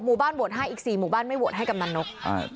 โหวตให้อีก๔หมู่บ้านไม่โหวตให้กำนันนก